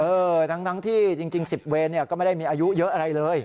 เออทั้งที่จริง๑๐เวรก็ไม่ได้มีอายุเยอะอะไรเลย